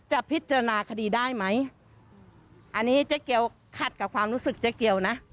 จะพิจารณาคดีได้ไหมอันนี้เจ๊เกียวขัดกับความรู้สึกเจ๊เกียวนะ